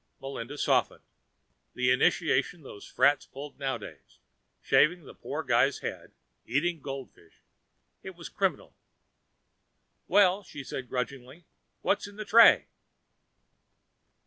Melinda softened. The initiations those frats pulled nowadays shaving the poor guy's head, eating goldfish it was criminal. "Well?" she asked grudgingly. "What's in the tray?"